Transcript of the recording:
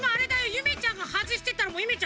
ゆめちゃんがはずしてたらもうゆめちゃん